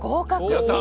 やった！